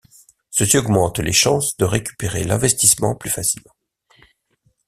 Ceci augmente les chances de récupérer l’investissement plus facilement.